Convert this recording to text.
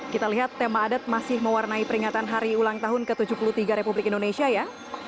kita lihat tema adat masih mewarnai peringatan hari ulang tahun ke tujuh puluh tiga republik indonesia ya